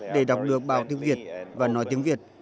để đọc được bài tiếng việt và nói tiếng việt